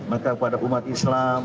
maka pada umat islam